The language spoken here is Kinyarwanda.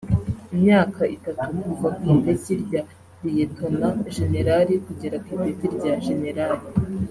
imyaka itatu kuva ku ipeti rya Liyetona Jenerali kugera ku ipeti rya Jenerali